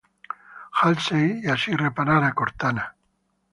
Halsey y así reparar a Cortana.